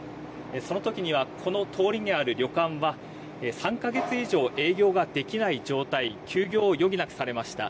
その時にはこの通りにある旅館は３か月以上営業ができない状態休業を余儀なくされました。